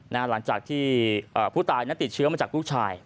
หลังจากที่ผู้ตายนั้นติดเชื้อมาจากลูกชาย